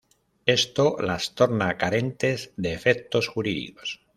Esto las torna carentes de efectos jurídicos.